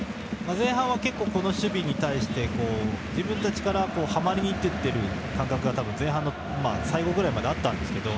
前半は結構この守備に対して自分たちからはまりに行けてる感じが多分、前半の最後くらいまであったんですけど。